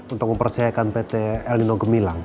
untuk mempercayakan pt el nino gemilang